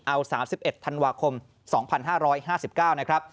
เอา๓๑ธันวาคม๒๕๕๙นะครับ